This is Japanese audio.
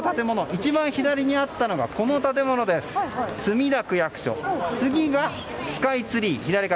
一番左にあったのが墨田区役所次が、スカイツリー